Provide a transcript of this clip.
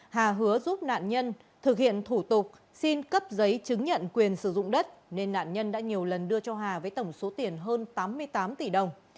hà hứa giúp nạn nhân thực hiện thủ tục xin cấp giấy chứng nhận quyền sử dụng đất nên nạn nhân đã nhiều lần đưa cho hà với tổng số tiền hơn tám mươi tám tỷ đồng